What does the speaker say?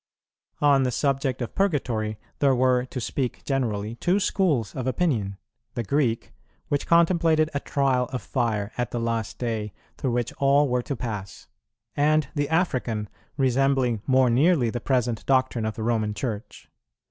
On the subject of Purgatory there were, to speak generally, two schools of opinion; the Greek, which contemplated a trial of fire at the last day through which all were to pass; and the African, resembling more nearly the present doctrine of the Roman Church.